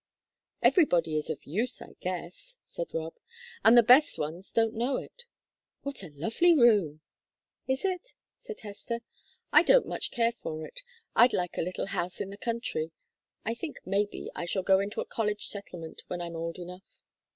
"Everybody is of use, I guess," said Rob. "And the best ones don't know it. What a lovely room!" "Is it?" said Hester. "I don't care much for it I'd like a little house in the country. I think maybe I shall go into a college settlement when I'm old enough."